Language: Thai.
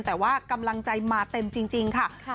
แต่ว่ากำลังใจมาเต็มจริงค่ะ